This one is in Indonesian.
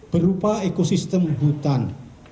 berupa ekosistem hutan